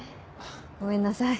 ごめんなさい。